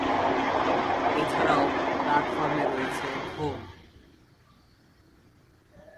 এছাড়াও প্ল্যাটফর্মে রয়েছে ফোন।